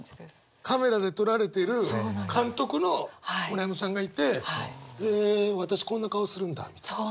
カメラで撮られてる監督の村山さんがいてへえ私こんな顔するんだみたいな？